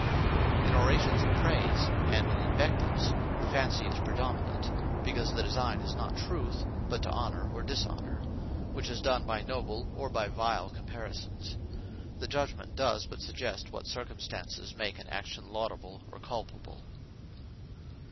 In Orations of Prayse, and in Invectives, the Fancy is praedominant; because the designe is not truth, but to Honour or Dishonour; which is done by noble, or by vile comparisons. The Judgement does but suggest what circumstances make an action laudable, or culpable.